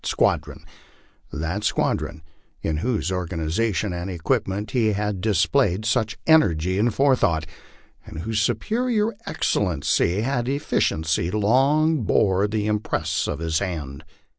155 squadron that squadron in whose organization and equipment he had dis played such energy and forethought, and whose superior excellency and effi ciency long bore the impress of his hand.